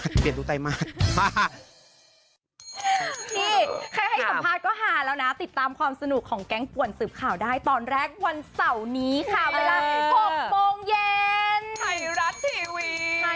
เฮ้ยยูยาดาวพิมพ์ท้องสวยสุดพึงขนาดนั้น